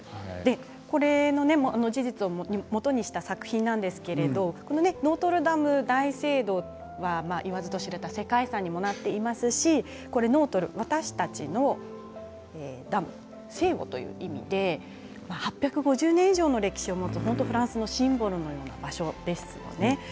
この事実を基にした作品なんですけれどもノートルダム大聖堂は言わずと知れた世界遺産にもなっていますしノートル＝我々のダム＝聖母という意味で８５０年以上の歴史を持つフランスのシンボルのような場所ですね。